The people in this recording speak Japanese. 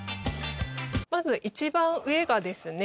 まず一番上がですね